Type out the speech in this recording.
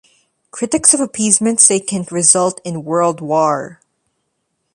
Critics of appeasement say it can result in world war.